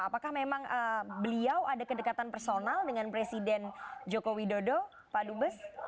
apakah memang beliau ada kedekatan personal dengan presiden joko widodo pak dubes